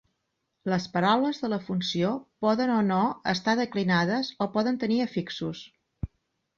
Les paraules de la funció poden o no estar declinades o poden tenir afixos.